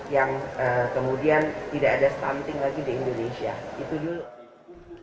yang kemudian tidak ada stunting lagi di indonesia